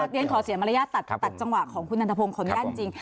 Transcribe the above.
เรียนขอเสียมารยาทตัดจังหวะของคุณนันทพงศ์ขออนุญาตจริง